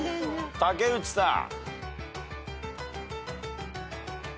竹内さん。